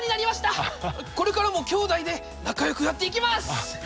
これからも兄妹で仲良くやっていきます！